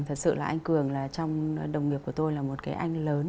thật sự là anh cường là trong đồng nghiệp của tôi là một cái anh lớn